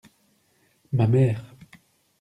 Ma mère.